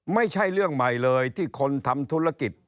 ไม่ใช่เรื่องใหม่เลยที่คนทำธุรกิจ